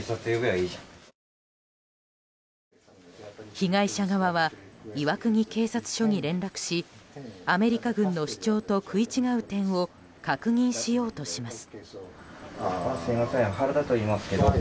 被害者側は岩国警察署に連絡しアメリカ軍の主張と食い違う点を確認しようとします。